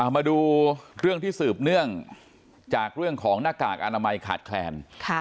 มาดูเรื่องที่สืบเนื่องจากเรื่องของหน้ากากอนามัยขาดแคลน